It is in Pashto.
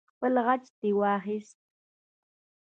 خپل غچ دې واخست.